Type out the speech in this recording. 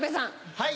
はい。